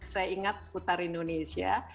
saya ingat seputar indonesia